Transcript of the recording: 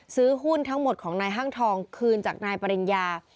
ซื้อหุ้นทั้งหมดของนายห้างทองคืนจากนายปริญญา